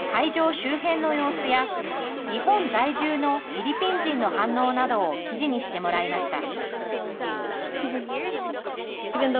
周辺の様子や、日本在住のフィリピン人の反応などを記事にしてもらいました。